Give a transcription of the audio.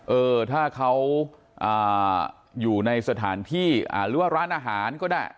เออถ้าเขาอยู่ในสถานที่หรือว่าร้านอาหารก็ได้